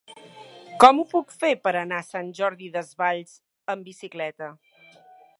Com ho puc fer per anar a Sant Jordi Desvalls amb bicicleta?